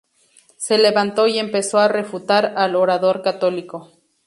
Se levantó y empezó a refutar al orador católico.